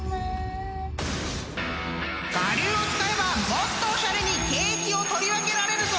［我流を使えばもっとおしゃれにケーキを取り分けられるぞ！］